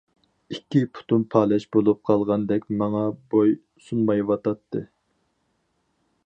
ئىككى پۇتۇم پالەچ بولۇپ قالغاندەك، ماڭا بوي سۇنمايۋاتاتتى.